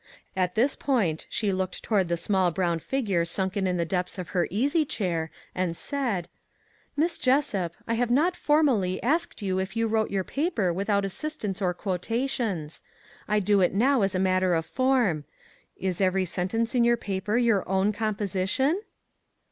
At this point she looked toward the small brown figure sunken in the depths of her easy chair and said :" Miss Jessup, I have not formally asked you if you wrote your paper without assistance or 384 "THE EXACT TRUTH" quotations. I do it now as a matter of form. Is every sentence in your paper your own com position